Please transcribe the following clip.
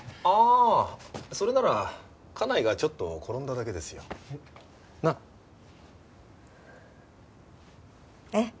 ああそれなら家内がちょっと転んだだけですよ。なあ？ええ。